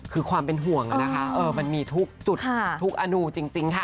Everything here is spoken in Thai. คือความเป็นห่วงนะคะมันมีทุกจุดทุกอนูจริงค่ะ